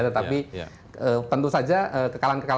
tetapi tentu saja kekalahan kekalahan itu masih ada